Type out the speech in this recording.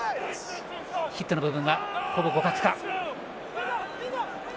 ヒットの部分はほぼ互角か。